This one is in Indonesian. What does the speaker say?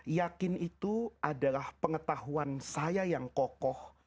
yakin itu adalah pengetahuan saya yang kokoh